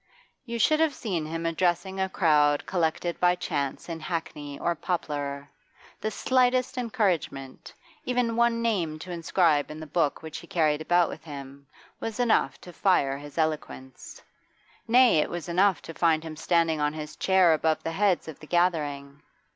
You should have seen him addressing a crowd collected by chance in Hackney or Poplar. The slightest encouragement, even one name to inscribe in the book which he carried about with him, was enough to fire his eloquence; nay, it was enough to find himself standing on his chair above the heads of the gathering.